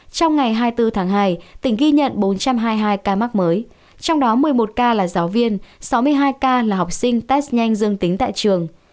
trong ngày hai mươi bốn tháng hai tỉnh ghi nhận bốn trăm hai mươi hai ca mắc mới trong đó một mươi một ca là giáo viên sáu mươi hai ca là học sinh test nhanh dương tính tại trường